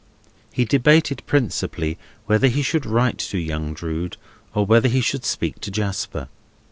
He debated principally whether he should write to young Drood, or whether he should speak to Jasper.